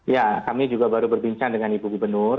ya kami juga baru berbincang dengan ibu gubernur